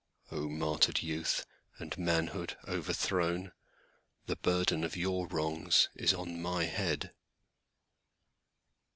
O martyred youth and manhood overthrown, The burden of your wrongs is on my head.